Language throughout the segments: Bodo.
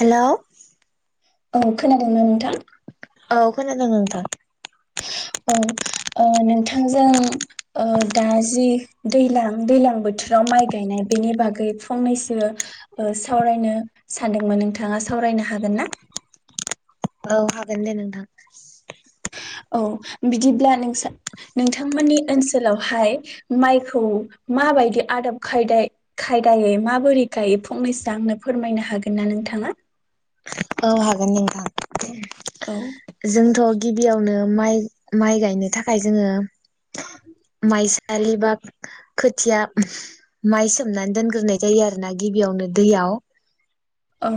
हेलौ। औ खोनादों ना नोंथां? औ खोनादों नोंथां। औ ओ नोंथांजों ओ दा जि दैलां दैलां बोथोराव माइ गायनाय बेनि बागै फंनैसो ओ सावरायनो सानदोंमोन नोंथाङा सावरायनो हागोन ना? औ हागोन दे नोंथां। औ बिदिब्ला नोंसा नोंथांमोननि ओनसोलावहाय माइखौ माबायदि आदब खायदाय खायदायै माबोरै गायो फंनैसो आंनो फोरमायनो हागोन ना नोंथाङा? औ हागोन नोंथां। औ जोंथ' गिबियावनो माइ माइ गायनो थाखाय जोङो माइसालि बा खोथिया माइ सोमनानै दोनग्रोनाय जायो आरो ना गिबियावनो दैयाव। औ।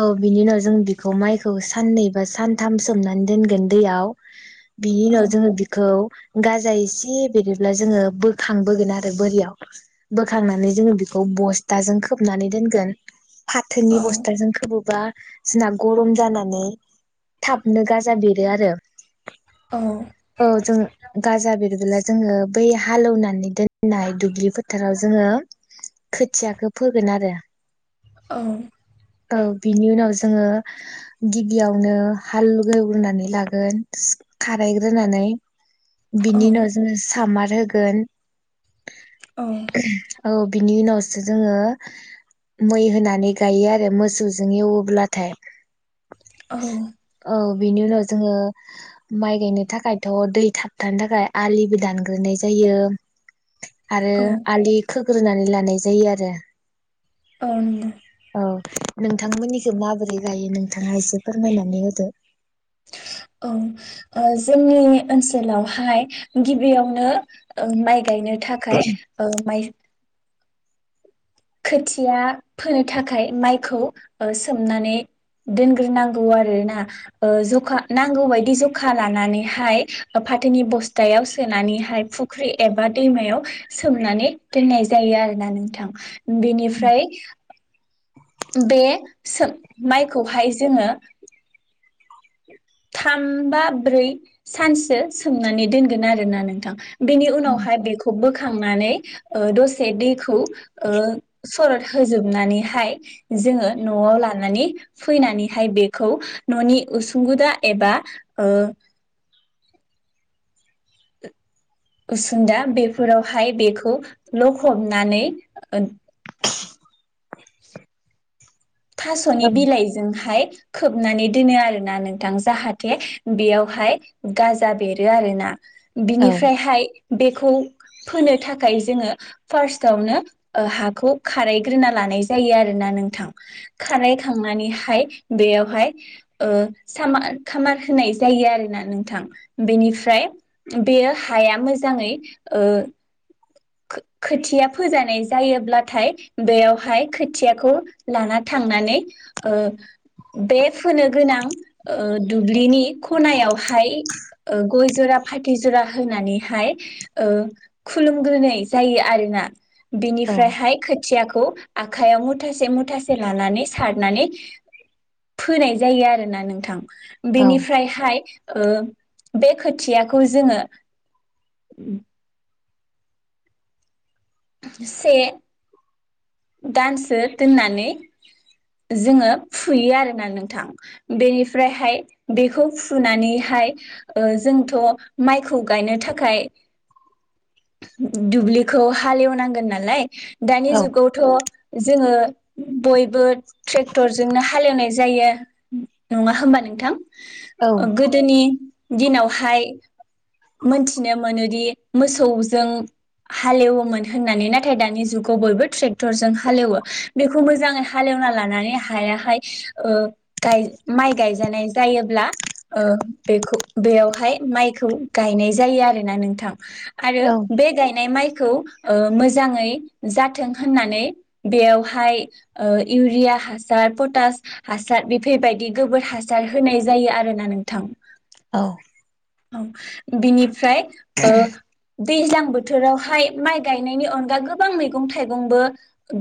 औ बिनि उनाव जों बिखौ माइखौ साननै बा सानथाम सोमनानै दोनगोन दैयाव। बिनि औ उनाव जोङो बिखौ गाजा एसे बेरोब्ला जोङो बोखांबोगोन आरो बोरियाव। बोखांनानै जोङो बेखौ बस्थाजों खोबनानै दोनगोन। औ फाथोनि बस [unintelligible] बा जोंना गरम जानानै थाबनो गाजा बेरो आरो अ। औ जों गाजा बेरबोला जोङो बै हालेवनानै दोननाय दुब्लि फोथाराव जोङो खोथियाखो फोगोन आरो औ औ बिनि उनाव जोङो गिबियावनो हाल एवग्रोनानै लागोन खाराय ग्रोनानै बिनि उनाव जोङो सामार होगोन। औ औ बिनि उनाव जोङो मै होनानै गायो आरो मोसौजों एवोब्लाथाय। औ बेनि उनाव जोङो माइ गायनो थाखायथ दै थाबथानो थाखाय आलिबो दानग्रोनाय जायो। आरो औ आलि खो- होग्रोनानै लानाय जायो आरो। अन नोंथांमोननिथि माबोरै गायो नोंथाङा एसे फोरमायनानै होदो? ओं ओ जोंनि ओनसोलावहाय गिबियावनो माइ गायनो थाखाय ओ माइ खोथिया फोनो थाखाय माइखौ सोमनानै दोनग्रोनांगौ आरोना ओ जखा नांगौ बायदि जखा लानानैहाय फाथोनि बस्थायाव सोनानैहाय फुख्रि एबा दैमायाव सोमनानै दोननाय जायो आरोना नोंथां। बेनिफ्राय बे सो माइखौहाय जोङो। थाम बा ब्रै सानसो सोमनानै दोनगोन आरोना नोंथां। बेनि उनावहाय बेखौ बोखांनानै दसे दैखौ ओ सरद होजोबनानैहाय जोङो नआव लानानै फैनानैहाय बेखौ ननि उसुंगुदा एबा ओ उसुंदा बेफोरावहाय बेखौ लखबनानै [unintelligible] थासनि बिलाइजोंहाय खोबनानै दोनो आरोना नोंथां जाहाथे बेयावहाय गाजा बेरो आरोना। बिनिफ्रायहाय बेखौ फोनो थाखाय जोङो फार्स्टआवनो हाखौ खारायग्रोना लानाय जायो आरोना नोंथां। खाराय खांनानैहाय बेयावहाय ओ साम खामार होनाय जायो आरोना नोंथां बेनिफ्राय बेयो हाया मोजाङै ओ खो-खोथिया फोजानाय जायोब्लाथाय बेयावहाय खोथियाखौ लाना थांनानै ओ बे फोनो गोनां दुब्लिनि खनायावहाय गय जरा फाथै जरा होनानैहाय ओ खुलुमग्रोनाय जायो आरोना। औ बिनिफ्रायहाय खोथियाखो खौ आखाइयाव मुथासे मुथासे लानानै सारनानै फोनाय जायो आरोना नोंथां। औ बेनिफ्रायहाय बे खोथियाखौ जोङो। से दानसो दोननानै जोङो फुयो आरोना नोंथां बेनिफ्रायहाय बेखौ फुनानैहाय जोंथ' माइखौ गायनो थाखाय दुब्लिखौ हालेवनांगोन नालाय। दानि औ जुगाव जोङो बे बो ट्रेक्टरजोंनो हालेवनाय जायो। नङा होमबा नोंथां? औ गोदोनि दिनावहाय मोनथिनो मोनोदि मोसौजों हालेवोमोन होननानै नाथाय दानि जुगाव बयबो ट्रेक क्टरजों हालेवो बेखौ मोजाङै हालेवना लानानै हायाहाय माइ गायजानाय जायोब्ला बेखौ बेयावहाय माइखौ गायनाय जायो आरोना नोंथां। आरो बे गायनाय माइ खौ मोजाङै जाथों। होननानै बेयावहाय ओ इउरिया हासार पटास हासार बेफोरबायदि गोबोर हासार होनाय जायो आरोना नोंथां। औ। औ बिनि फ्राय ओ दैज्लां बोथोरावहाय माइ गायनायनि अनगा गोबां मैगं थाइगं बो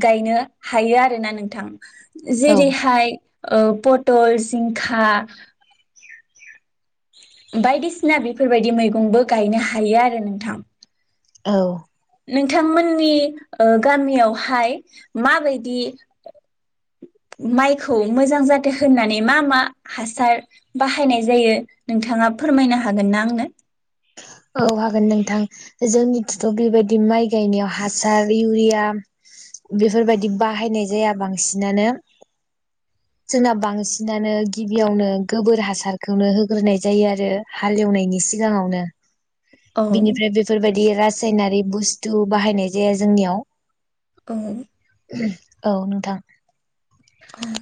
गायनो हायो आरोना नोंथां। जेरैहाय ओ पटल, जिंखा बायदिसिना बेफोरबायदि मैगंबो गायनो हायो आरो नोंथां। औ। नोंथांमोननि ओ गामियावहाय माबायदि माइखौ मोजां जाथो होननानै मा मा हासार बाहायनाय जायो नोंथाङा फोरमायनो हागोन ना आंनो? औ हागोन नोंथां जोंनिथ'थ' बेबायदि माइ गायनायाव हासार इउरिया बेफोरबायदि बाहायनाय जाया बांसिनानो। जोंना बांसिनानो गिबियावनो गोबोर हासारखौनो होग्रोनाय जायो आरो हालेवनायनि सिगाङावनो। औ बिनिफ्राय बेफोरबायदि राज रासायनारि बुस्थु बाहायनाय जाया जोंनियाव। औ औ नोंथां। ओं।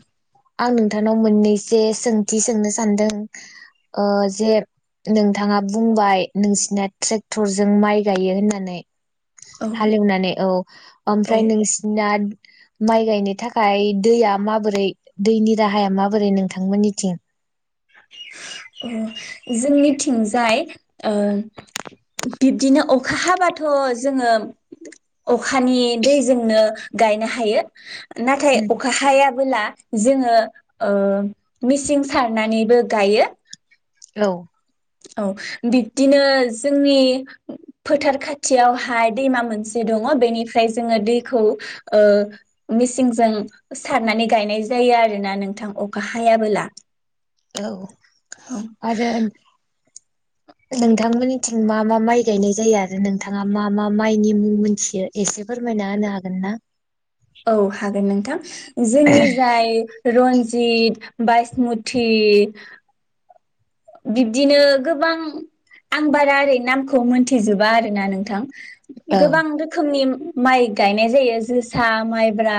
आं नोंथांनाव मोननैसो सोंथि सोंनो सानदों ओ जे नोंथाङा बुंबाय नोंसिना ट्रेक्टरजों माइ गायो होननानै। औ हालेवनानै औ ओमफ्राय औ नोंसिना माइ गायनो थाखाय दैया माबोरै दैनि राहाया माबोरै नोंथांमोननिथिं? जोंनिथिंजाय ओ बिब्दिनो अखा हाबाथ' जोङो अखानि दैजोंनो गायनो हायो। नाथाय अखा हायाबोला जोंङो ओ ओ मेचिन सार नानैबो गायो। औ। औ बिब्दिनो जोंनि फोथार खाथियावहाय दैमा मोनसे दङ बेनिफ्राय जोङो दैखौ ओ मेसिंजों सारनानै गायनाय जायो आरोना नोंथां अखा हायाबोला। औ औ आरो नोंथांमोननिथिं मा मा माइ गायनाय जायो आरो नोंथाङा मा मा माइनि मुं मोनथियो एसे फोरमायना होनो हागोन ना? औ हागोन नोंथां [inaudible] जोंनि जाय रन्जित, बाइसमुथि बिब्दिनो गोबां आं बारा ओरै नामखौ मोनथिजोबा आरोना नोंथां औ गोबां रोखोमनि माइ गायनाय जायो जोसा, माइब्रा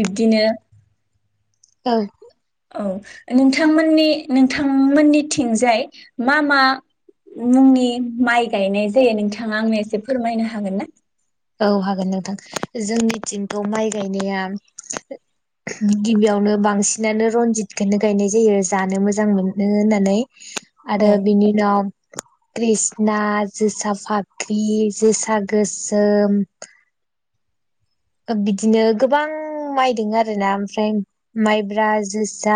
बिब्दिनो औ औ नोंथांमोननि नोंथांमोननिथिंजाय मा मा मुंनि माइ गायनाय जायो, नोंथाङा आंनो एसे फोरमायनो हागोन ना? औ हागोन नोंथां जोंनिथिंथ' माइ गायनाया गिबियावनो बांसिनानो रन्जितखौनो गायनाय जायो, जानो मोजां मोनो होननानै औ आरो बिनि उनाव कृष्णा जोसा फाख्रि, जोसा गोस ओम बिदिनो गोबां माइ दं आरोना, ओमफ्राय माइब्रा, जोसा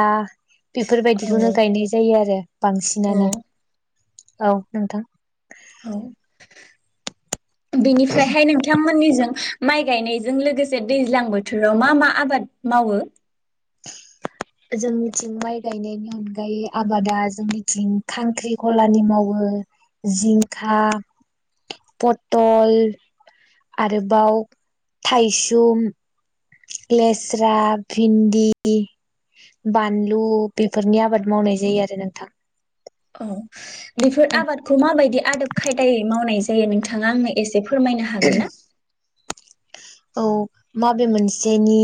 बेफोरबायदिखौनो औ गायनाय जायो आरो औ बांसिनानो। औ नोंथां। औ। बेनिफ्रायहाय नोंथांमोननिजों माइ गायनायजों लोगोसे दैज्लां बोथोराव मा मा आबाद मावो? जोंनिथिं माइ गायनायनि अनगायै आबादा जोंनिथिं खांख्रिखलानि मावो, जिंखा, पथल, आरोबाव थायसुम, लेस्रा, भिन्दि, बानलु बेफोरनि आबाद मावनाय जायो आरो नोंथां। औ बेफोर आबादखौ माबायदि आदब खायदायै मावनाय जायो नोंथाङा आंनो ए से फोरमायनो हागोन ना? औ माबे मोनसेनि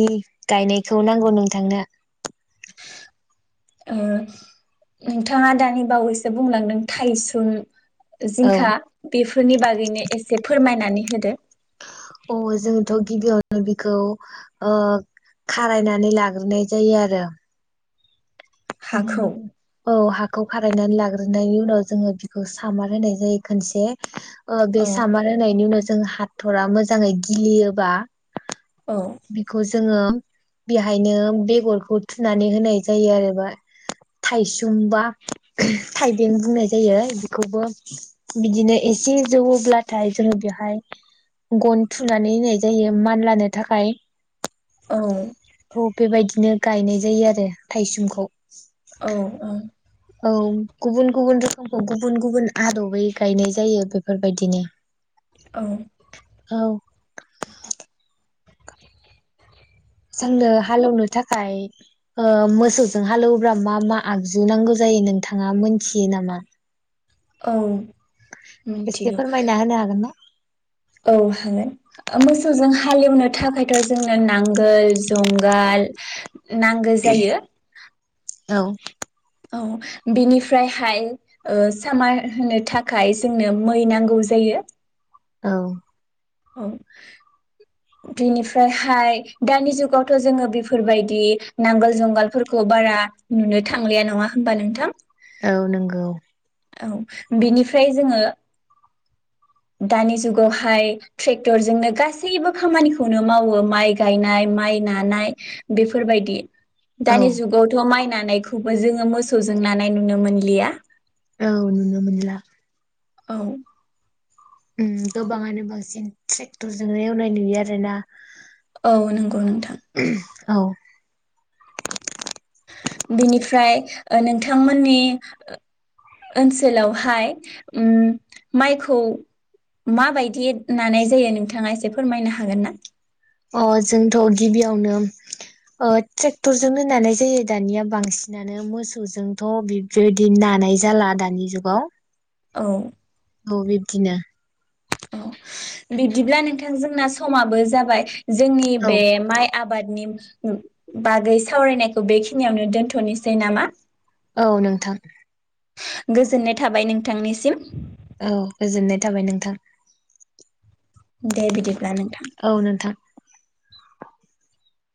गायनायखौ नांगौ नोंथांनो? ओ नोंथाङा दानि बावैसो बुंलांदों थाइसुम औ जिंखा बेफोरनि बागैनो एसे फोरमायनानै होदो अ जोंथ' गिबियावनो बेखौ ओ खारायनानै लाग्रोनाय जायो आरो। हाखौ [inaudible] औ हा खारायनानै लाग्रोनायनि उनाव जोङो बिखौ सामार होनाय जायो खनसे ओ बे औ सामार होननायनि उनाव सो हाथरा मोजाङै गिलियोबा औ बिखौ जोङो बेहायनो बेगरखौ थुनानै होनाय जायो आरोबा, थायसुम बा थाइबें बुंनाय जायो। बेखौबो बिदिनो एसे जौयोब्लाथाय जोङो बेहाय गन थुनानै होनाय जायो मानलानो थाखाय। औ। औ बेबायदिनो गायनाय जायो आरो थायसुमुखौ। औ औ। औ गुबुन गुबुन रोखोमखौ गुबुन गुबुन आदबै गायनाय जायो बेफोरबायदिनो। औ। औ। [inaudible] जोंनो हालौनो था खाय ओ मोसौजों हालौवोब्ला मा मा आगजु नांगौ जायो नोंथाङा मोनथियो नामा? औ एसे मिथिगौ फोरमायना होनो हागोन ना? औ हागोन मोसौजों हालेवनो थाखायथ' जोंनो नांगोल, जंगाल नांगौ जायो। औ औ बिनिफ्रायहाय ओ सामार होनो थाखाय जोंनो मै नांगौ जायो। औ औ बेनिफ्रायहाय दानि जुगावथ' जोङो बेफोरबायदि नांगोल जुंगालफोरखौ बारा नुनो थांलिया नङा होमबा नोंथां? औ नंगौ। औ बिनिफ्राय जोङो दानि जुगावहाय ट्रेक्टरजोंनो गासैबो खामानिखौनो मावो माइ गायनाय, माइ नानाय बेफोरबायदि। औ दानि जुगावथ' माइ ना नायखौबो जोङो मोसौजों नानाय नुनो मोनलिया। औ नुनो मोनला। औ उम गोबाङानो बांसिन ट्रेक्टरजों एवनाय नुयो आरो ना। औ नंगौ नोंथां। औ बिनिफ्राय ओ नोंथांमोननि ओनसोलावहाय उम माइखौ माबायदि नानाय जायो नोंथाङा एसे फोरमायनो हागोन ना? अ जोंथ' गिबियावनो ओ ट्रेक्टरजोंनो नानाय जायो दानिया बांसिनानो मोसौजोंथ' बेबायदि नानाय जाला दानि जुगाव। औ औ बिब्दिनो। औ बिदिब्ला नोंथां जोंना समाबो जाबाय जोंनि औ बे माइ आबादनि बागै सावरायनायखौ बेखिनियावनो दोन्थ'नोसै नामा? औ नोंथां। गोजोननाय थाबाय नोंथांनिसिम। औ गोजोननाय थाबाय नोंथां। दे बिदि ब्ला नोंथां। औ नोंथां